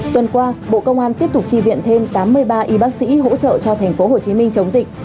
tuần qua bộ công an tiếp tục tri viện thêm tám mươi ba y bác sĩ hỗ trợ cho tp hcm chống dịch